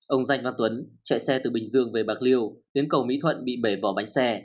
ông danh văn tuấn chạy xe từ bình dương về bạc liêu đến cầu mỹ thuận bị bể bỏ bánh xe